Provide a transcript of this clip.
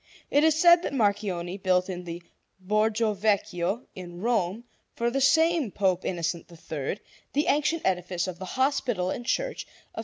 It is said that Marchionne built in the Borgo Vecchio in Rome, for the same Pope Innocent III, the ancient edifice of the Hospital and Church of S.